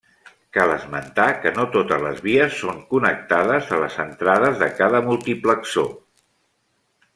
Cal esmentar que no totes les vies són connectades a les entrades de cada multiplexor.